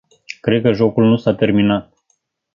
Cred că jocul nu s-a terminat.